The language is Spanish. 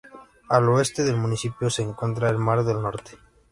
Al oeste del municipio se encuentra el Mar del Norte.